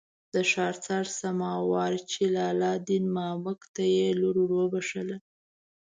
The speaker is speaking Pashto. د ښار څړه سما وارچي لال دین مامک ته یې لور ور وبخښله.